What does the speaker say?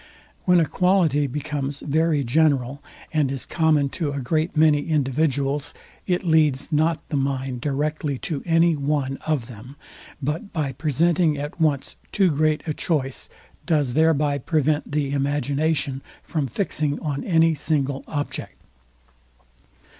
When a quality becomes very general, and is common to a great many individuals, it leads not the mind directly to any one of them; but by presenting at once too great a choice, does thereby prevent the imagination from fixing on any single object.